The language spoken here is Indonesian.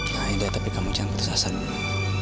nah indah tapi kamu jangan putus asa dulu